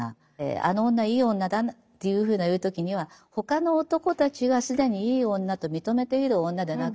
あの女いい女だなっていうふうな言う時には他の男たちが既にいい女と認めている女でなければならない。